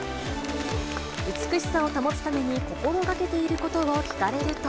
美しさを保つために、心がけていることを聞かれると。